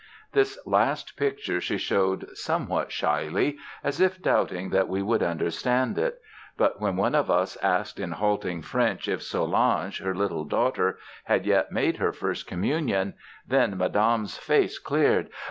This last picture she showed somewhat shyly, as if doubting that we would understand it. But when one of us asked in halting French if Solange, her little daughter, had yet made her First Communion, then Madame's face cleared.